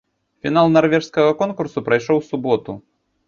Фінал нарвежскага конкурсу прайшоў у суботу.